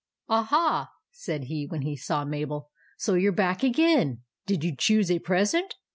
"Aha!" said he when he saw Mabel. " So you 're back again. Did you choose a present